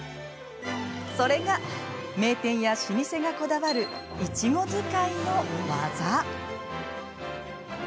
それが名店や老舗がこだわるいちご使いの技。